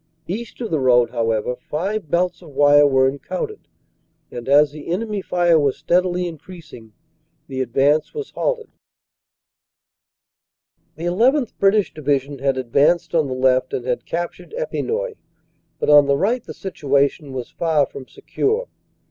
East of the road, however, five belts of wire were encountered, and, as the enemy fire was steadily increasing, the advance was halted. "The llth. British Division had advanced on the left and had captured Epinoy, but on the right the situation was far from secure.